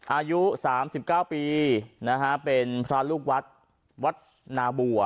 อายุ๓๙ปีนะฮะเป็นพระลูกวัดวัดนาบัว